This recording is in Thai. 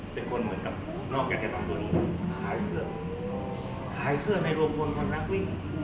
เป็นคนเหมือนกับนอกจากจะทำส่วนนี้ขายเสื้อขายเสื้อในรวมพลคนนักวิ่ง